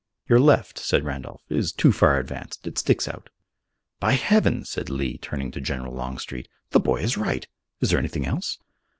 "Your left," said Randolph, "is too far advanced. It sticks out." "By Heaven!" said Lee, turning to General Longstreet, "the boy is right! Is there anything else?"